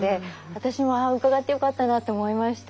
私も伺ってよかったなって思いました。